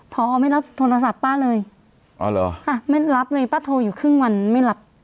พอไม่รับโทรศัพท์ป้าเลยอ๋อเหรอค่ะไม่รับเลยป้าโทรอยู่ครึ่งวันไม่รับ